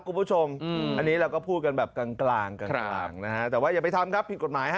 คุณผู้ชมอันนี้เราก็พูดกันแบบกลางกลางนะฮะแต่ว่าอย่าไปทำครับผิดกฎหมายฮะ